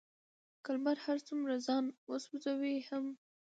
که لمر هر څومره ځان وسوزوي هم،